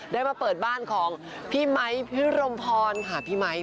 ได้มาเปิดบ้านของพี่ไมค์พี่รมพรค่ะพี่ไมค์